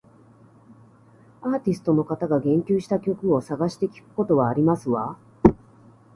アーティストの方が言及した曲を探して聞くことはありますわ